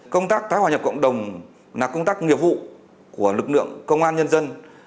công tác tái hòa nhập cộng đồng là công tác nghiệp vụ của lực lượng công an nhân dân